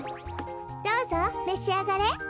どうぞめしあがれ！